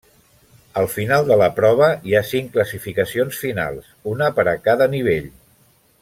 Al final de la prova hi ha cinc classificacions finals, una per a cada nivell.